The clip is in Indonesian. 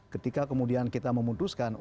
ketika kemudian kita memutuskan